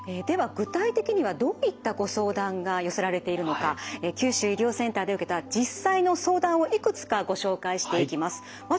具体的にはどういったご相談が寄せられているのか九州医療センターで受けた実際の相談をいくつかご紹介していきます。